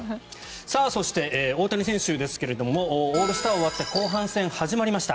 そして、大谷選手ですがオールスター終わって後半戦が始まりました。